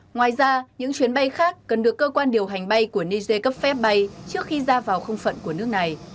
ngoài ra những chuyến bay khác cần được cơ quan điều hành bay của niger cấp phép bay trước khi ra vào không phận của nước này